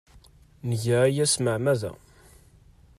Nga aya s tmeɛmada.